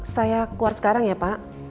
saya kuat sekarang ya pak